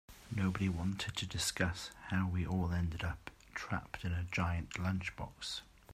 Nobody wanted to discuss how we all ended up trapped in a giant lunchbox.